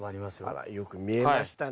あらよく見えましたね。